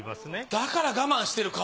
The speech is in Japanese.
だから我慢してる顔。